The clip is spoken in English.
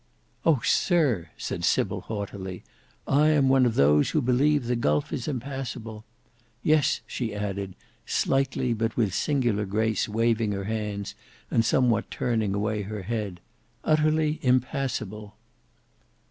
"Oh, sir!" said Sybil, haughtily; "I am one of those who believe the gulf is impassable. Yes," she added, slightly but with singular grace waving her hands, and somewhat turning away her head, "utterly impassable."